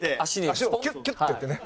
足をキュッキュッてやってね。